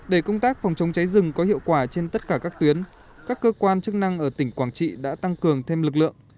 để công tác phòng chống cháy rừng có hiệu quả trên tất cả các tuyến các cơ quan chức năng ở tỉnh quảng trị đã tăng cường thêm lực lượng